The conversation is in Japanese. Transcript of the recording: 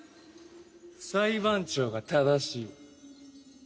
裁判長が正しい。